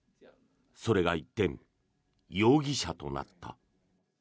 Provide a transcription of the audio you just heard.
それが一転、容疑者となった。